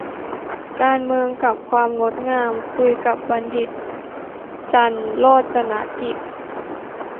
"การเมืองกับความงดงาม" คุยกับ บัณฑิต จันทร์โรจนกิจ